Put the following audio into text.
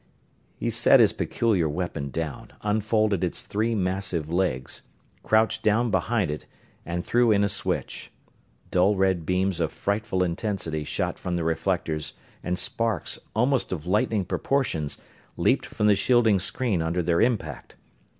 He set his peculiar weapon down, unfolded its three massive legs, crouched down behind it and threw in a switch. Dull red beams of frightful intensity shot from the reflectors and sparks, almost of lightning proportions, leaped from the shielding screen under their impact.